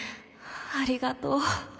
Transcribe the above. ありがとう。